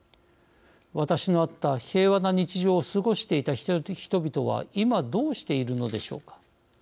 私の会った平和な日常を過ごしていた人々は今、どうしているのでしょうか。